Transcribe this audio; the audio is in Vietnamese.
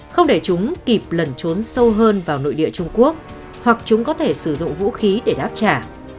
không để chúng kịp lẩn trốn sâu hơn vào nội địa trung quốc hoặc chúng có thể sử dụng vũ khí để đáp trả